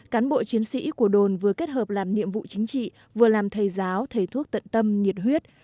cán bộ chiến sĩ của đồn vừa kết hợp làm nhiệm vụ chính trị vừa làm thầy giáo thầy thuốc tận tâm nhiệt huyết